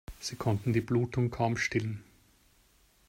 Sie konnten die Blutung kaum stillen.